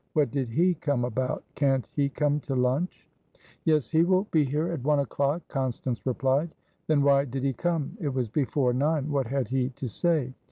"What did he come about? Can't he come to lunch?" "Yes, he will be here at one o'clock," Constance replied. "Then why did he come? It was before nine. What had he to say?"